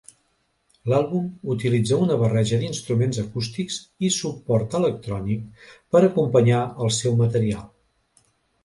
L'àlbum utilitza una barreja d'instruments acústics i suport electrònic per acompanyar el seu material.